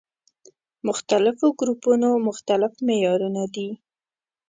مختلفو ګروپونو مختلف معيارونه دي.